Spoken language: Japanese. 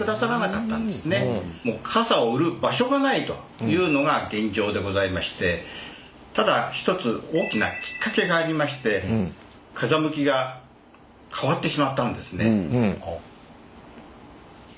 もう傘を売る場所がないというのが現状でございましてただ一つ大きなきっかけがありまして風向きが変わってしまったんですね。